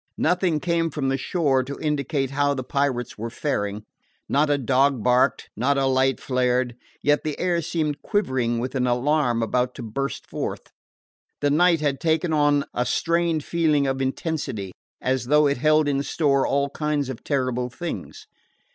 Nothing came from the shore to indicate how the pirates were faring. Not a dog barked, not a light flared. Yet the air seemed quivering with an alarm about to burst forth. The night had taken on a strained feeling of intensity, as though it held in store all kinds of terrible things.